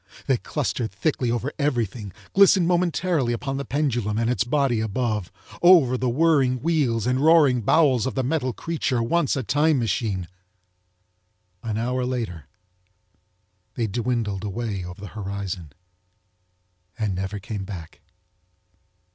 They clustered thickly over everything, glistened momentarily upon the pendulum and its body above, over the whirling wheels and roaring bowels of the metal creature once a Time Machine. An hour later they dwindled away over the horizon and never came back.